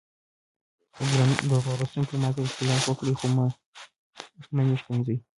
درنو لوستونکو له ما سره اختلاف وکړئ خو مه مې ښکنځئ.